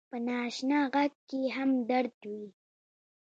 په ناآشنا غږ کې هم درد وي